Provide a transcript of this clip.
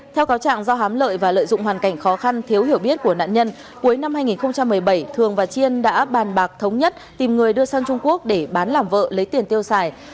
theo cáo trạng do hám lợi và lợi dụng hoàn cảnh khó khăn thiếu hiểu biết của nạn nhân cuối năm hai nghìn một mươi bảy thường và chiên đã bàn bạc thống nhất tìm người đưa sang trung quốc để bán làm vợ lấy tiền tiêu xài